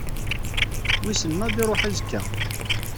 Wissen ma ad d-iruḥ azekka?